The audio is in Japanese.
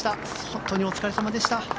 本当にお疲れ様でした。